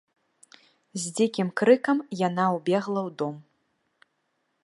З дзікім крыкам яна ўбегла ў дом.